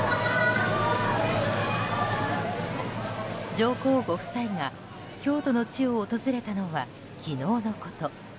上皇ご夫妻が京都の地を訪れたのは昨日のこと。